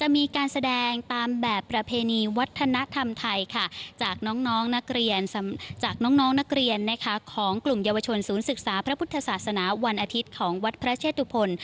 จะมีการแสดงตามแบบประเพณีวัฒนธรรมไทยค่ะจากน้องนักเรียนจากน้องนักเรียนของกลุ่มเยาวชนศูนย์ศึกษาพระพุทธศาสนาวันอาทิตย์ของวัดพระเชตุพล